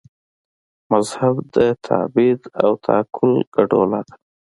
مذهب د تعبد او تعقل ګډوله ده.